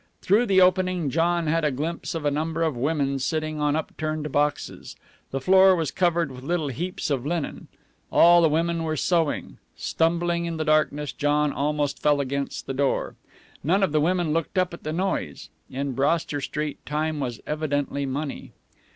Through the opening John had a glimpse of a number of women sitting on up turned boxes. The floor was covered with little heaps of linen. All the women were sewing. Stumbling in the darkness, John almost fell against the door. None of the women looked up at the noise. In Broster Street time was evidently money.